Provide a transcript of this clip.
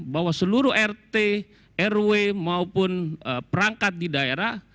bahwa seluruh rt rw maupun perangkat di daerah